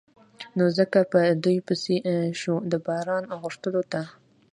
نو ځکه په دوی پسې شو د باران غوښتلو ته.